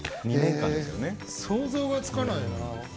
想像がつかないな。